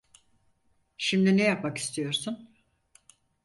Şimdi ne yapmak istiyorsun?